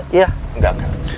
iya enggak kan